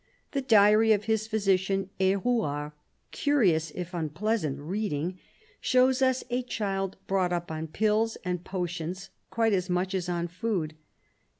The diary of his physician, H6rouard — curious if unpleasant reading — shows us a child brought up on pills and potions quite as much as on food.